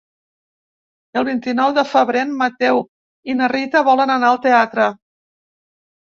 El vint-i-nou de febrer en Mateu i na Rita volen anar al teatre.